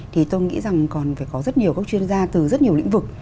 thì tôi nghĩ rằng còn phải có rất nhiều các chuyên gia từ rất nhiều lĩnh vực